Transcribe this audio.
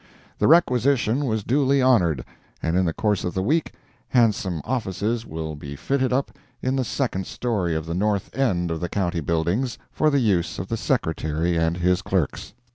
The requisition was duly honored, and in the course of the week, handsome offices will be fitted up in the second story of the north end of the county buildings for the use of the Secretary and his clerks.